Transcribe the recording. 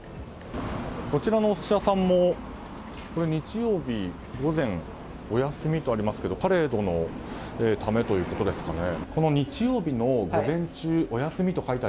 こちらのお寿司屋さんも日曜日午前お休みとありますけどパレードのためということですかね。